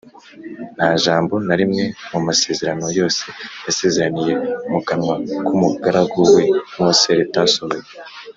Nta jambo na rimwe mu masezerano yose yasezeraniye mu kanwa k’umugaragu we Mose, ritasohoye